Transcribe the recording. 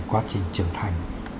quá trình trưởng thành